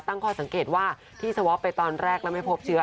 ตั้งข้อสังเกตว่าที่สวอปไปตอนแรกแล้วไม่พบเชื้อ